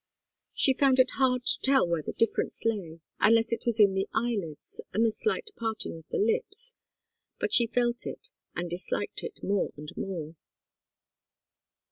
She found it hard to tell where the difference lay, unless it was in the eyelids and the slight parting of the lips, but she felt it and disliked it more and more.